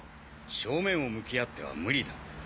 正面を向き合っては無理だ。